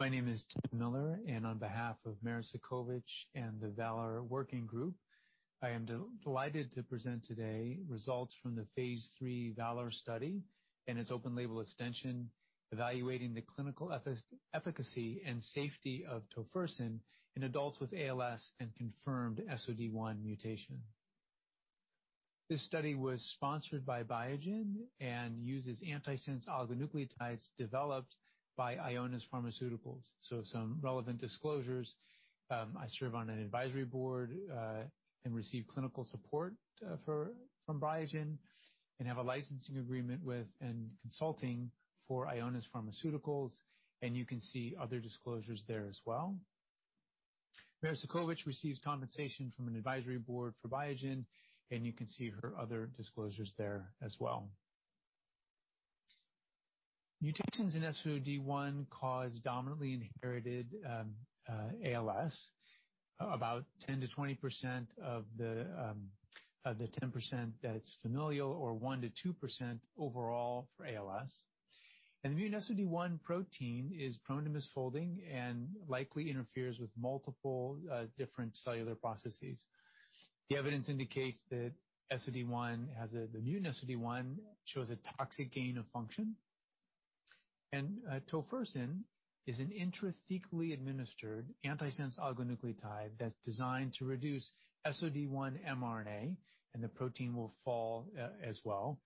My name is Tim Miller, on behalf of Merit Cudkowicz and the VALOR Working Group, I am delighted to present today results from the phase III VALOR study and its open-label extension evaluating the clinical efficacy and safety of tofersen in adults with ALS and confirmed SOD1 mutation. This study was sponsored by Biogen and uses antisense oligonucleotides developed by Ionis Pharmaceuticals. Some relevant disclosures, I serve on an advisory board and receive clinical support from Biogen, have a licensing agreement with and consulting for Ionis Pharmaceuticals, you can see other disclosures there as well. Merit Cudkowicz receives compensation from an advisory board for Biogen, you can see her other disclosures there as well. Mutations in SOD1 cause dominantly inherited ALS, about 10%-20% of the 10% that it's familial, or 1%-2% overall for ALS. The mutant SOD1 protein is prone to misfolding and likely interferes with multiple different cellular processes. The evidence indicates that the mutant SOD1 shows a toxic gain of function. Tofersen is an intrathecally administered antisense oligonucleotide that's designed to reduce SOD1 mRNA, and the protein will fall as well,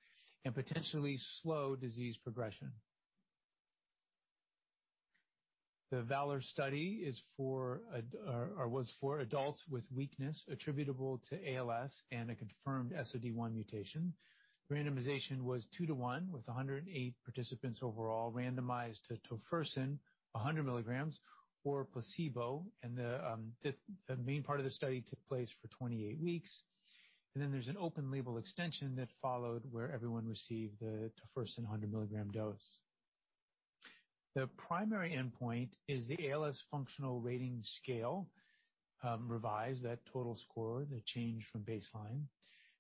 and potentially slow disease progression. The VALOR study was for adults with weakness attributable to ALS and a confirmed SOD1 mutation. Randomization was 2 to 1, with 108 participants overall randomized to tofersen, 100 milligrams, or placebo, and the main part of the study took place for 28 weeks. There's an open-label extension that followed where everyone received the tofersen 100 milligram dose. The primary endpoint is the ALS Functional Rating Scale-Revised, that total score, the change from baseline.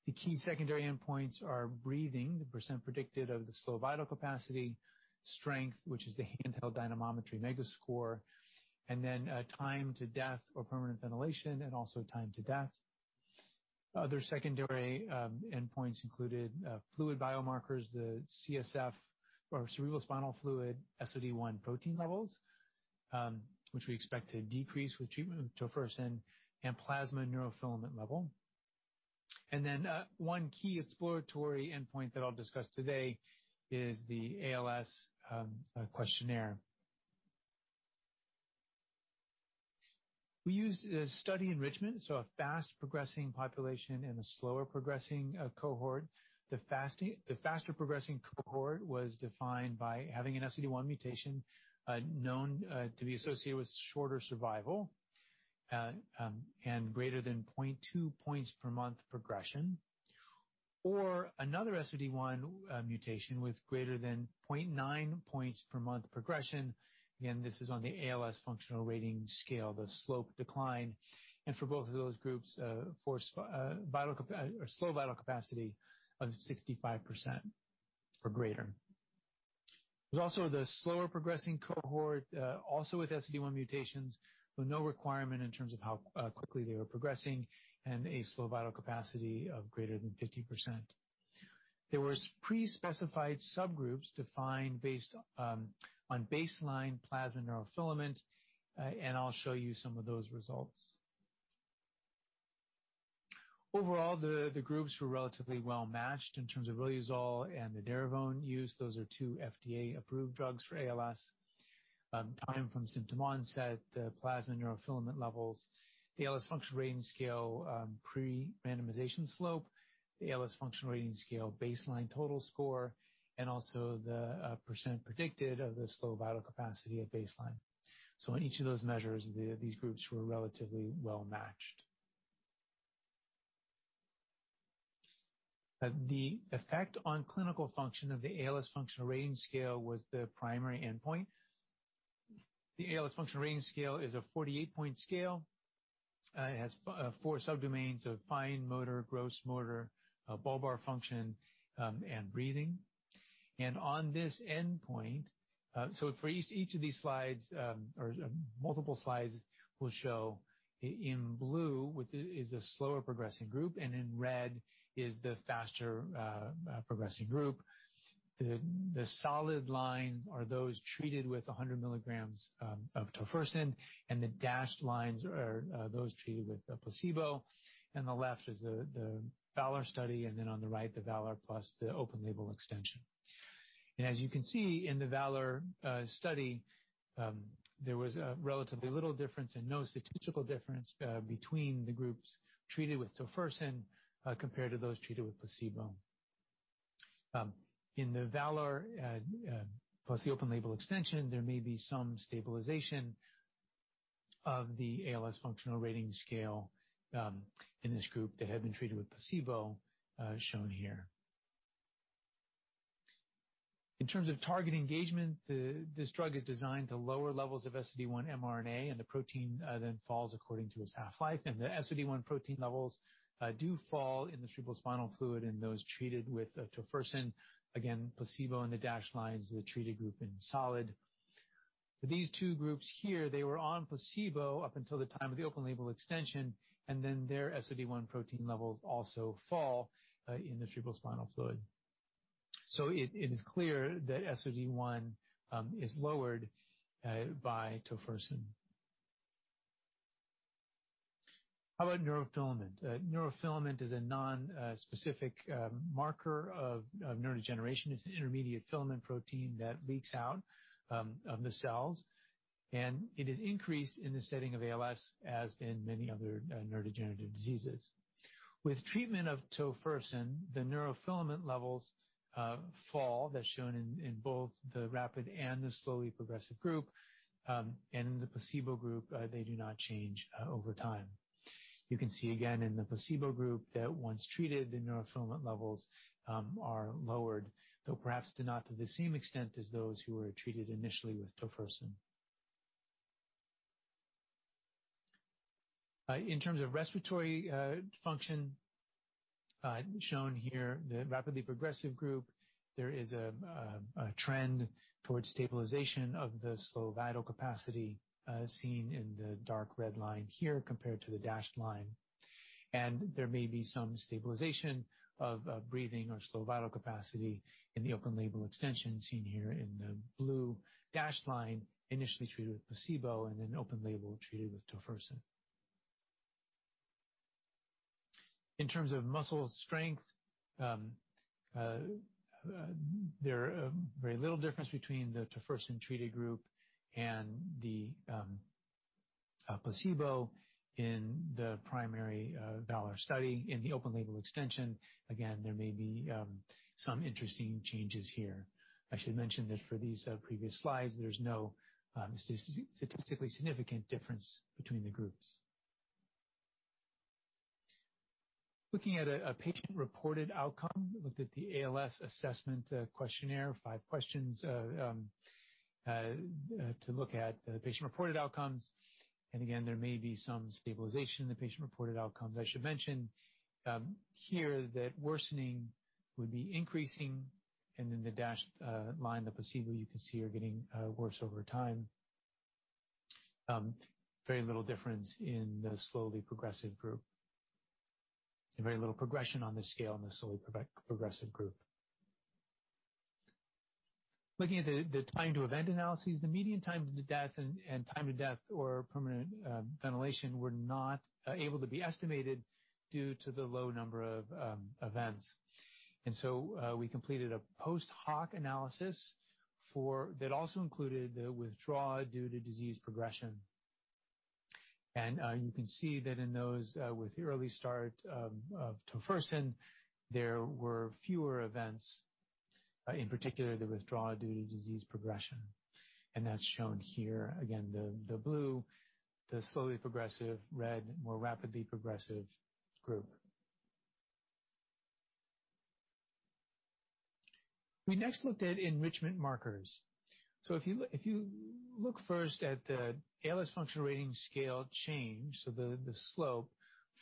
The key secondary endpoints are breathing, the percent predicted of the slow vital capacity, strength, which is the handheld dynamometry megascore, then time to death or permanent ventilation and also time to death. Other secondary endpoints included fluid biomarkers, the CSF or cerebrospinal fluid, SOD1 protein levels, which we expect to decrease with treatment with tofersen, and plasma neurofilament level. One key exploratory endpoint that I'll discuss today is the ALS questionnaire. We used a study enrichment, so a fast progressing population and a slower progressing cohort. The faster progressing cohort was defined by having an SOD1 mutation known to be associated with shorter survival, and greater than 0.2 points per month progression. Another SOD1 mutation with greater than 0.9 points per month progression. Again, this is on the ALS Functional Rating Scale-Revised, the slope decline. For both of those groups, for slow vital capacity of 65% or greater. There's also the slower progressing cohort, also with SOD1 mutations, with no requirement in terms of how quickly they were progressing and a slow vital capacity of greater than 50%. There was pre-specified subgroups defined based on baseline plasma neurofilament, and I'll show you some of those results. Overall, the groups were relatively well-matched in terms of riluzole and the edaravone use. Those are 2 FDA-approved drugs for ALS. Time from symptom onset, the plasma neurofilament levels, the ALS Functional Rating Scale pre-randomization slope, the ALS Functional Rating Scale baseline total score, and also the percent predicted of the slow vital capacity at baseline. On each of those measures, these groups were relatively well-matched. The effect on clinical function of the ALS Functional Rating Scale was the primary endpoint. The ALS Functional Rating Scale is a 48-point scale. It has 4 sub-domains of fine motor, gross motor, bulbar function, and breathing. On this endpoint, so for each of these slides, or multiple slides will show in blue is the slower progressing group, and in red is the faster progressing group. The solid lines are those treated with 100 milligrams of tofersen, and the dashed lines are those treated with a placebo. On the left is the VALOR study, on the right, the VALOR plus the open-label extension. As you can see in the VALOR study, there was relatively little difference and no statistical difference between the groups treated with tofersen compared to those treated with placebo. In the VALOR plus the open-label extension, there may be some stabilization of the ALS Functional Rating Scale in this group that had been treated with placebo, shown here. In terms of target engagement, this drug is designed to lower levels of SOD1 mRNA, and the protein then falls according to its half-life. The SOD1 protein levels do fall in the cerebrospinal fluid in those treated with tofersen. Again, placebo in the dashed lines, the treated group in solid. These two groups here, they were on placebo up until the time of the open-label extension, and then their SOD1 protein levels also fall in the cerebrospinal fluid. It is clear that SOD1 is lowered by tofersen. How about neurofilament? Neurofilament is a non-specific marker of neurodegeneration. It's an intermediate filament protein that leaks out of the cells, and it is increased in the setting of ALS, as in many other neurodegenerative diseases. With treatment of tofersen, the neurofilament levels fall. That's shown in both the rapid and the slowly progressive group. In the placebo group, they do not change over time. You can see again in the placebo group that once treated, the neurofilament levels are lowered, though perhaps not to the same extent as those who were treated initially with Tofersen. In terms of respiratory function, shown here, the rapidly progressive group, there is a trend towards stabilization of the slow vital capacity, seen in the dark red line here compared to the dashed line. There may be some stabilization of breathing or slow vital capacity in the open-label extension, seen here in the blue dashed line, initially treated with placebo and then open-label treated with Tofersen. In terms of muscle strength, there are very little difference between the Tofersen treated group and the placebo in the primary VALOR study. In the open-label extension, again, there may be some interesting changes here. I should mention that for these previous slides, there's no statistically significant difference between the groups. Looking at a patient reported outcome, looked at the ALS Assessment Questionnaire, 5 questions to look at the patient reported outcomes. Again, there may be some stabilization in the patient reported outcomes. I should mention here that worsening would be increasing, and in the dashed line, the placebo, you can see are getting worse over time. Very little difference in the slowly progressive group, and very little progression on this scale in the slowly progressive group. Looking at the time to event analyses, the median time to death and time to death or permanent ventilation were not able to be estimated due to the low number of events. So we completed a post hoc analysis that also included the withdraw due to disease progression. You can see that in those with early start of tofersen, there were fewer events, in particular, the withdraw due to disease progression. That's shown here. Again, the blue, the slowly progressive, red, more rapidly progressive group. We next looked at enrichment markers. If you look first at the ALS Functional Rating Scale change, so the slope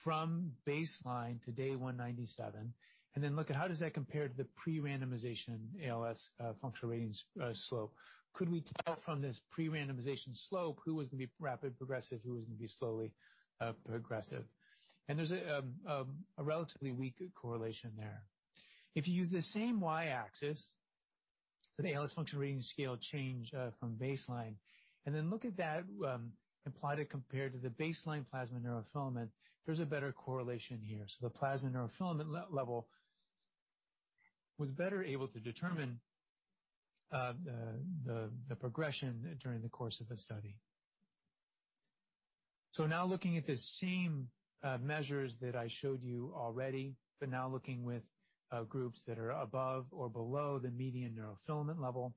from baseline to day 197, and then look at how does that compare to the pre-randomization ALS Functional Rating Scale slope. Could we tell from this pre-randomization slope who was going to be rapid progressive, who was going to be slowly progressive? There's a relatively weak correlation there. If you use the same Y-axis for the ALS Functional Rating Scale change from baseline, and then look at that and plot it compared to the baseline plasma neurofilament, there's a better correlation here. The plasma neurofilament level was better able to determine the progression during the course of the study. Now looking at the same measures that I showed you already, but now looking with groups that are above or below the median neurofilament level,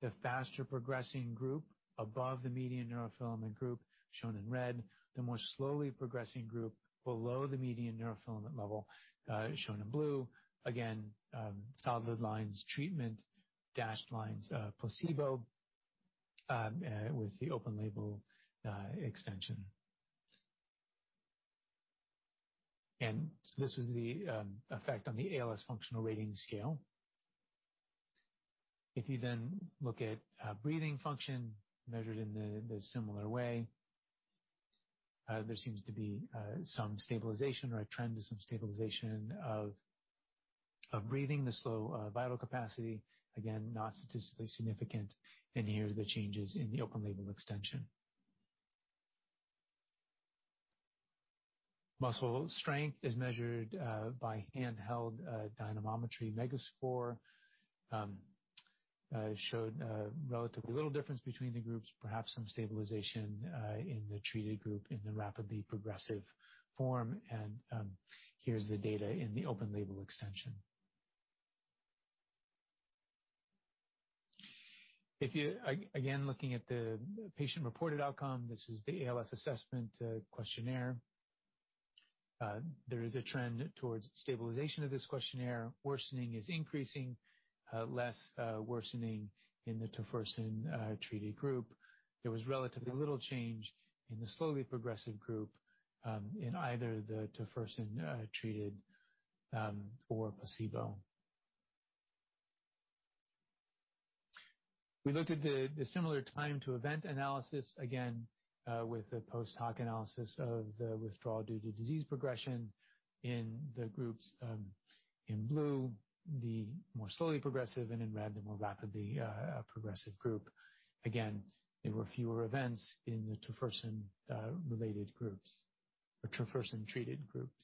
the faster progressing group above the median neurofilament group, shown in red, the more slowly progressing group below the median neurofilament level, shown in blue. Again, solid lines, treatment, dashed lines, placebo, with the open-label extension. This was the effect on the ALS Functional Rating Scale. If you look at breathing function measured in the similar way, there seems to be some stabilization or a trend to some stabilization of breathing, the slow vital capacity, again, not statistically significant. Here are the changes in the open-label extension. Muscle strength is measured by handheld dynamometry. megascore showed relatively little difference between the groups, perhaps some stabilization in the treated group in the rapidly progressive form. Here's the data in the open-label extension. Looking at the patient reported outcome, this is the Amyotrophic Lateral Sclerosis Assessment Questionnaire. There is a trend towards stabilization of this questionnaire. Worsening is increasing, less worsening in the Tofersen treated group. There was relatively little change in the slowly progressive group in either the Tofersen treated or placebo. We looked at the similar time to event analysis, with a post hoc analysis of the withdrawal due to disease progression in the groups. In blue, the more slowly progressive. In red, the more rapidly progressive group. There were fewer events in the Tofersen-related groups or Tofersen-treated groups.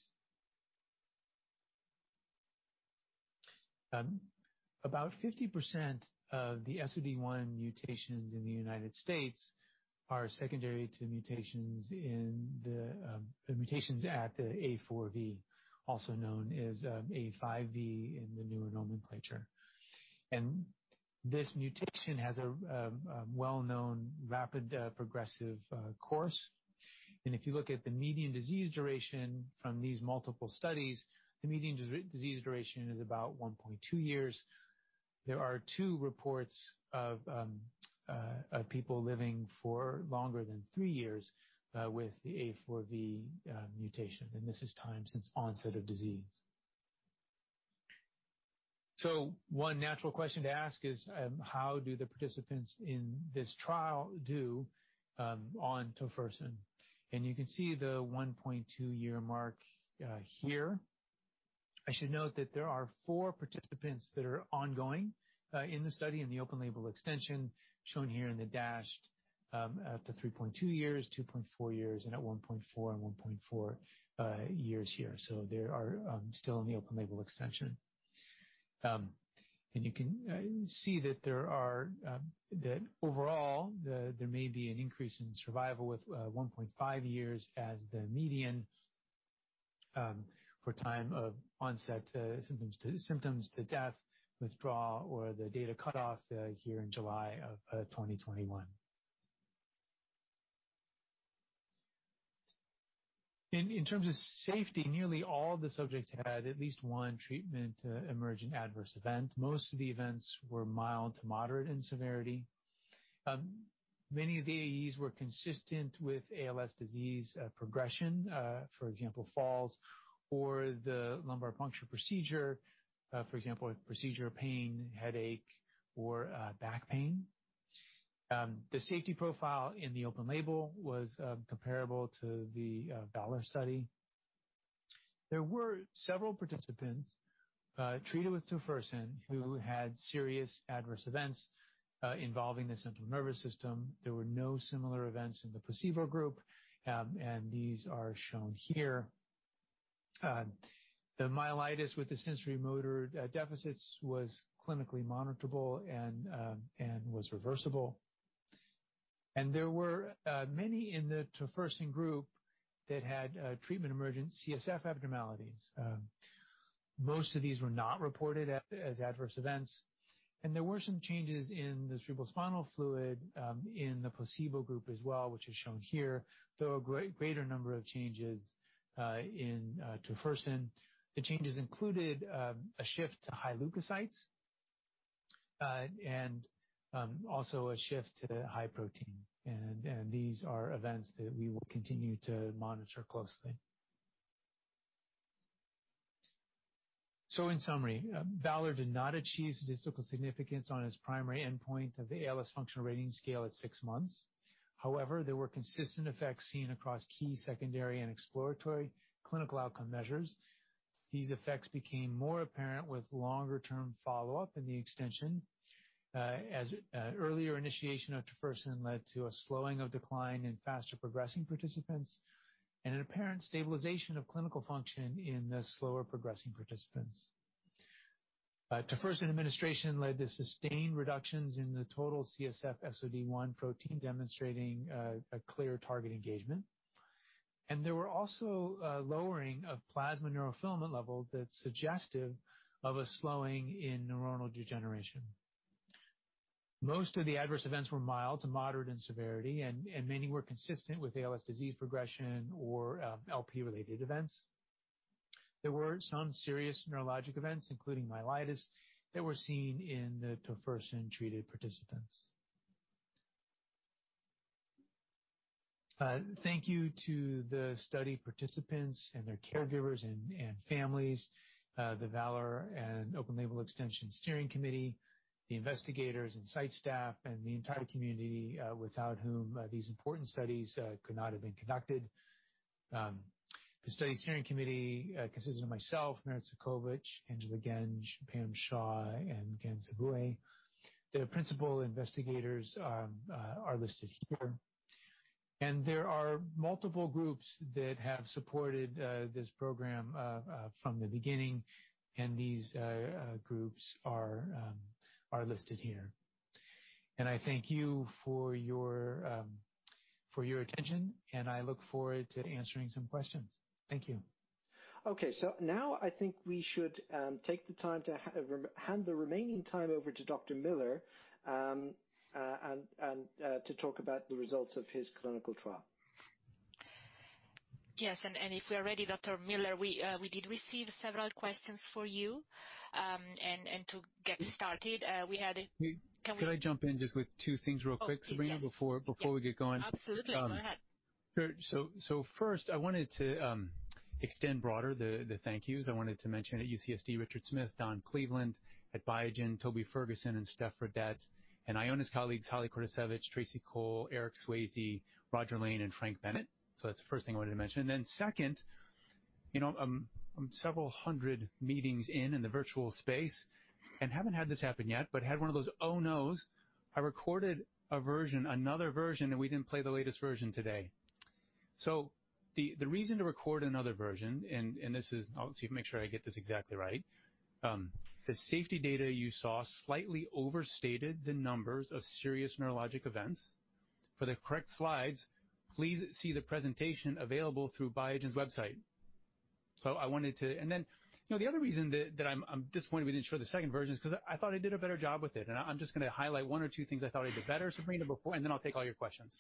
About 50% of the SOD1 mutations in the U.S. are secondary to mutations at the A4V, also known as A5V in the newer nomenclature. This mutation has a well-known rapid progressive course. If you look at the median disease duration from these multiple studies, the median disease duration is about 1.2 years. There are two reports of people living for longer than three years with the A4V mutation, and this is time since onset of disease. One natural question to ask is, how do the participants in this trial do on tofersen? You can see the 1.2-year mark here. I should note that there are four participants that are ongoing in the study, in the open-label extension, shown here in the dashed, at the 3.2 years, 2.4 years, and at 1.4 and 1.4 years here. They are still in the open-label extension. You can see that overall, there may be an increase in survival with 1.5 years as the median for time of onset to symptoms to death, withdraw, or the data cutoff here in July of 2021. In terms of safety, nearly all the subjects had at least one treatment emergent adverse event. Most of the events were mild to moderate in severity. Many of the AEs were consistent with ALS disease progression, for example, falls or the lumbar puncture procedure. For example, procedure pain, headache, or back pain. The safety profile in the open-label was comparable to the VALOR study. There were several participants treated with tofersen who had serious adverse events involving the central nervous system. There were no similar events in the placebo group. These are shown here. The myelitis with the sensorimotor deficits was clinically monitorable and was reversible. There were many in the Tofersen group that had treatment emergent CSF abnormalities. Most of these were not reported as adverse events, and there were some changes in the cerebrospinal fluid in the placebo group as well, which is shown here, though a greater number of changes in Tofersen. The changes included a shift to high leukocytes and also a shift to high protein. These are events that we will continue to monitor closely. In summary, VALOR did not achieve statistical significance on its primary endpoint of ALS Functional Rating Scale at 6 months. However, there were consistent effects seen across key secondary and exploratory clinical outcome measures. These effects became more apparent with longer-term follow-up in the extension, as earlier initiation of Tofersen led to a slowing of decline in faster progressing participants and an apparent stabilization of clinical function in the slower progressing participants. tofersen administration led to sustained reductions in the total CSF SOD1 protein, demonstrating a clear target engagement. There were also a lowering of plasma neurofilament levels that's suggestive of a slowing in neuronal degeneration. Most of the adverse events were mild to moderate in severity, and many were consistent with ALS disease progression or LP-related events. There were some serious neurologic events, including myelitis, that were seen in the tofersen-treated participants. Thank you to the study participants and their caregivers and families, the VALOR and open-label extension steering committee, the investigators and site staff, and the entire community, without whom these important studies could not have been conducted. The study steering committee consisted of myself, Merit Cudkowicz, Angela Genge, Pamela Shaw, and Ketan Bhatt. The principal investigators are listed here. There are multiple groups that have supported this program from the beginning, and these groups are listed here. I thank you for your attention, and I look forward to answering some questions. Thank you. Okay, now I think we should take the time to hand the remaining time over to Dr. Miller to talk about the results of his clinical trial. Yes, if we are ready, Dr. Miller, we did receive several questions for you. To get started. Can I jump in just with two things real quick, Sabrina, before we get going? Absolutely. Go ahead. Sure. First, I wanted to extend broader the thank yous. I wanted to mention at UCSD, Richard Smith, Don Cleveland, at Biogen, Toby Ferguson and Stephanie Fradette, and Ionis' colleagues, Holly Kordasiewicz, Tracy Cole, Eric Swayze, Roger Lane, and Frank Bennett. That's the first thing I wanted to mention. Second, I'm several 100 meetings in the virtual space, and haven't had this happen yet, but had one of those, "Oh nos." I recorded another version, and we didn't play the latest version today. The reason to record another version, and I'll see if I make sure I get this exactly right. The safety data you saw slightly overstated the numbers of serious neurologic events. For the correct slides, please see the presentation available through Biogen's website. I wanted to-- And then, the other reason that I'm disappointed we didn't show the second version is because I thought I did a better job with it, and I'm just going to highlight one or two things I thought I did better, Sabrina, before, and then I'll take all your questions.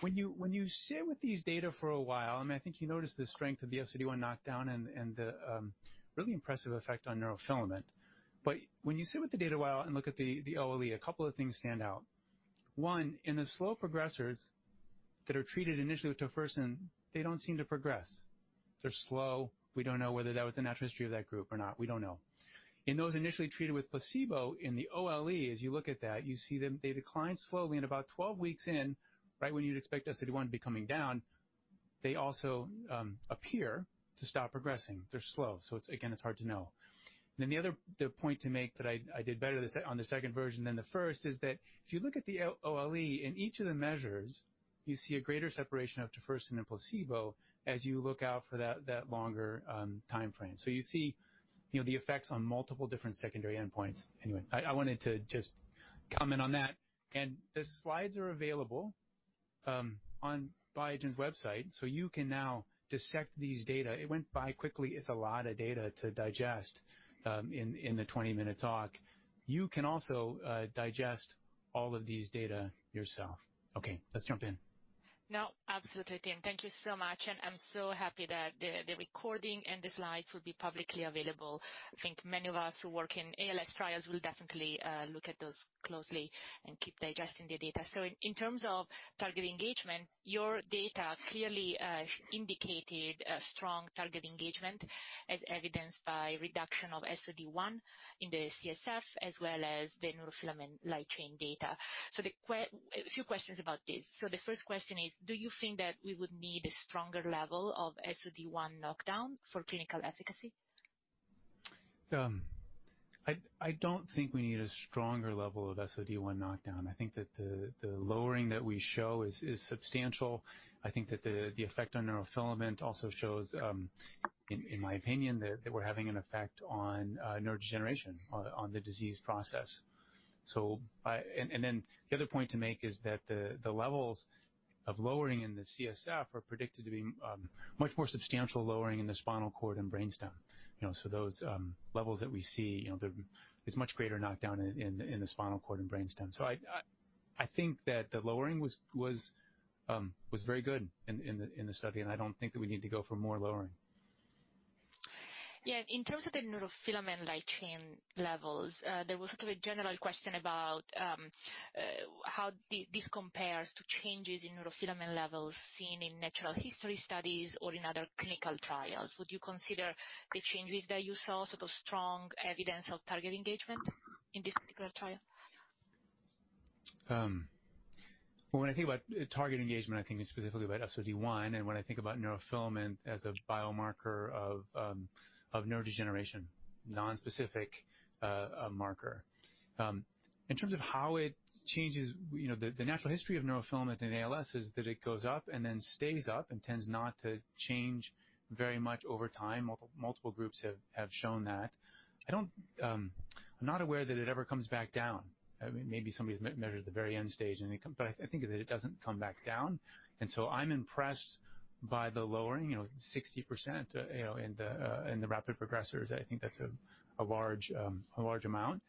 When you sit with these data for a while, I think you notice the strength of the SOD1 knockdown and the really impressive effect on neurofilament. When you sit with the data for a while and look at the OLE, a couple of things stand out. One, in the slow progressors that are treated initially with tafamidis, they don't seem to progress. They're slow. We don't know whether that was the natural history of that group or not. We don't know. In those initially treated with placebo, in the OLE, as you look at that, you see they decline slowly and about 12 weeks in, right when you'd expect SOD1 to be coming down, they also appear to stop progressing. They're slow. It's, again, it's hard to know. The other point to make that I did better on the second version than the first is that if you look at the OLE, in each of the measures, you see a greater separation of tafamidis than placebo as you look out for that longer timeframe. You see the effects on multiple different secondary endpoints. Anyway, I wanted to just comment on that. The slides are available on Biogen's website, so you can now dissect these data. It went by quickly. It's a lot of data to digest in the 20-minute talk. You can also digest all of these data yourself. Okay, let's jump in. No, absolutely, Tim. Thank you so much, and I'm so happy that the recording and the slides will be publicly available. I think many of us who work in ALS trials will definitely look at those closely and keep digesting the data. In terms of target engagement, your data clearly indicated a strong target engagement as evidenced by reduction of SOD1 in the CSF as well as the neurofilament light chain data. A few questions about this. The first question is, do you think that we would need a stronger level of SOD1 knockdown for clinical efficacy? I don't think we need a stronger level of SOD1 knockdown. I think that the lowering that we show is substantial. I think that the effect on neurofilament also shows, in my opinion, that we're having an effect on neurodegeneration on the disease process. The other point to make is that the levels of lowering in the CSF are predicted to be much more substantial lowering in the spinal cord and brainstem. Those levels that we see, there is much greater knockdown in the spinal cord and brainstem. I think that the lowering was very good in the study, and I don't think that we need to go for more lowering. In terms of the neurofilament light chain levels, there was sort of a general question about how this compares to changes in neurofilament levels seen in natural history studies or in other clinical trials. Would you consider the changes that you saw sort of strong evidence of target engagement in this particular trial? When I think about target engagement, I'm thinking specifically about SOD1 and when I think about neurofilament as a biomarker of neurodegeneration, nonspecific marker. In terms of how it changes, the natural history of neurofilament in ALS is that it goes up and then stays up and tends not to change very much over time. Multiple groups have shown that. I'm not aware that it ever comes back down. Maybe somebody's measured the very end stage, but I think that it doesn't come back down. I'm impressed by the lowering, 60% in the rapid progressors. I think that's a large amount.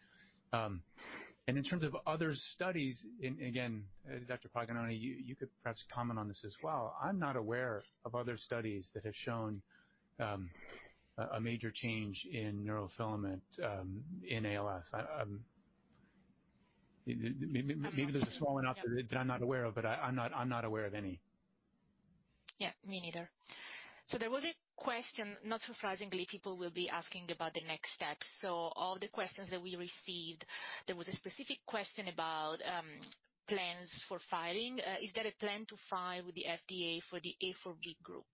In terms of other studies, and again, Sabrina Paganoni, you could perhaps comment on this as well. I'm not aware of other studies that have shown a major change in neurofilament in ALS. Maybe there's a small enough that I'm not aware of, but I'm not aware of any. Yeah. Me neither. There was a question, not surprisingly, people will be asking about the next steps. Of all the questions that we received, there was a specific question about plans for filing. Is there a plan to file with the FDA for the A4V group?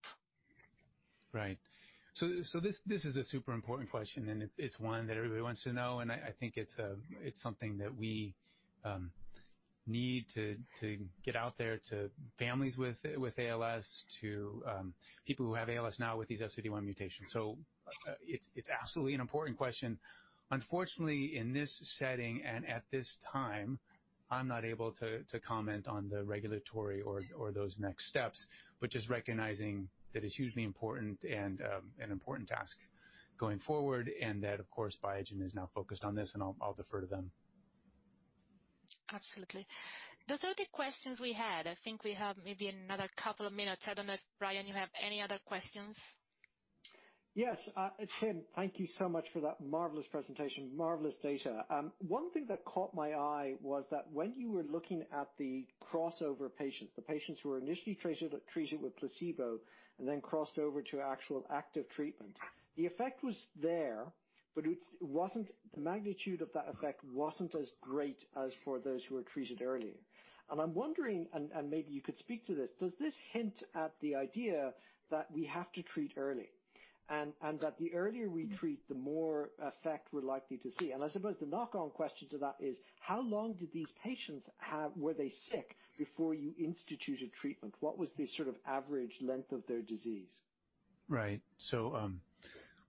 Right. This is a super important question, and it's one that everybody wants to know, and I think it's something that we need to get out there to families with ALS, to people who have ALS now with these SOD1 mutations. It's absolutely an important question. Unfortunately, in this setting and at this time, I'm not able to comment on the regulatory or those next steps, but just recognizing that it's hugely important and an important task going forward, and that, of course, Biogen is now focused on this, and I'll defer to them. Absolutely. Those are the questions we had. I think we have maybe another couple of minutes. I don't know if, Brian, you have any other questions? Yes. Tim, thank you so much for that marvelous presentation, marvelous data. One thing that caught my eye was that when you were looking at the crossover patients, the patients who were initially treated with placebo and then crossed over to actual active treatment, the effect was there, but the magnitude of that effect wasn't as great as for those who were treated earlier. I'm wondering, and maybe you could speak to this, does this hint at the idea that we have to treat early, and that the earlier we treat, the more effect we're likely to see? I suppose the knock-on question to that is, how long did these patients, were they sick before you instituted treatment? What was the sort of average length of their disease? Right.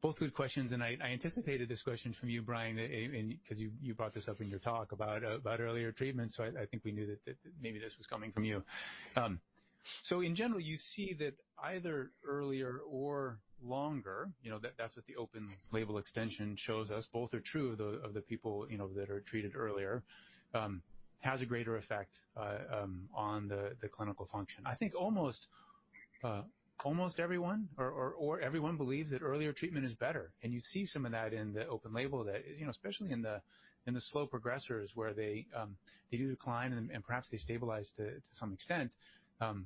Both good questions, and I anticipated this question from you, Brian, because you brought this up in your talk about earlier treatment, so I think we knew that maybe this was coming from you. In general, you see that either earlier or longer, that's what the open-label extension shows us, both are true of the people that are treated earlier, has a greater effect on the clinical function. I think almost everyone or everyone believes that earlier treatment is better. You see some of that in the open label that, especially in the slow progressers where they do decline and perhaps they stabilize to some extent.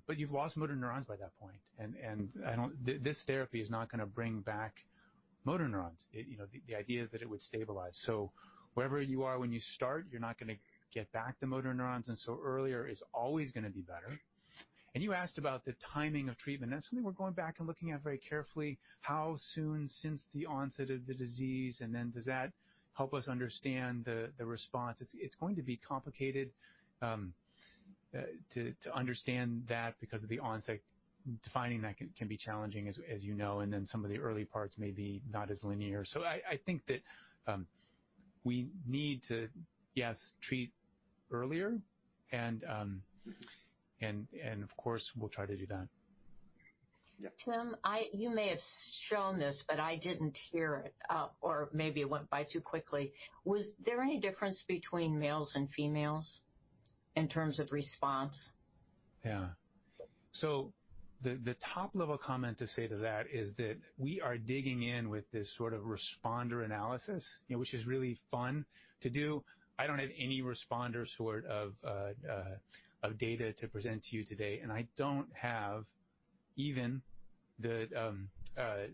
You've lost motor neurons by that point. This therapy is not going to bring back motor neurons. The idea is that it would stabilize. Wherever you are when you start, you're not going to get back the motor neurons, and so earlier is always going to be better. You asked about the timing of treatment. That's something we're going back and looking at very carefully, how soon since the onset of the disease, and then does that help us understand the response. It's going to be complicated to understand that because of the onset, defining that can be challenging as you know, and then some of the early parts may be not as linear. I think that we need to, yes, treat earlier and, of course, we'll try to do that. Yeah. Tim, you may have shown this, but I didn't hear it, or maybe it went by too quickly. Was there any difference between males and females in terms of response? Yeah. The top-level comment to say to that is that we are digging in with this sort of responder analysis, which is really fun to do. I don't have any responder sort of data to present to you today, and I don't have even the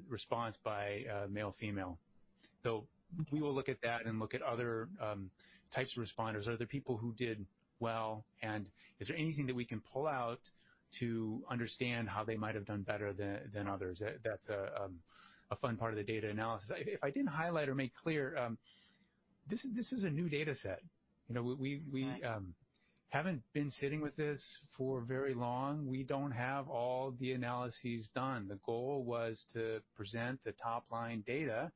response by male/female. We will look at that and look at other types of responders. Are there people who did well, and is there anything that we can pull out to understand how they might have done better than others? That's a fun part of the data analysis. If I didn't highlight or make clear, this is a new data set. Right. We haven't been sitting with this for very long. We don't have all the analyses done. The goal was to present the top-line data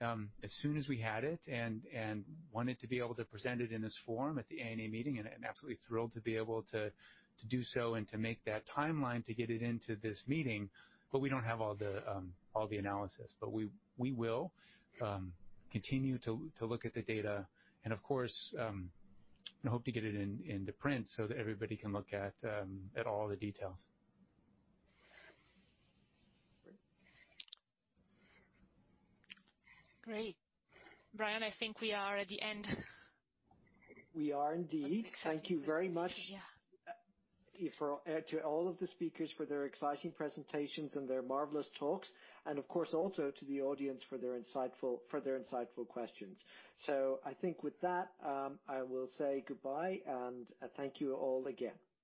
as soon as we had it and wanted to be able to present it in this form at the ANA meeting, and absolutely thrilled to be able to do so and to make that timeline to get it into this meeting, but we don't have all the analysis. We will continue to look at the data and, of course, and hope to get it into print so that everybody can look at all the details. Great. Great. Brian, I think we are at the end. We are indeed. Thank you very much. Yeah To all of the speakers for their exciting presentations and their marvelous talks, and of course, also to the audience for their insightful questions. I think with that, I will say goodbye and thank you all again.